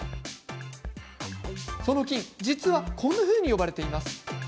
その菌、実はこんなふうに呼ばれています。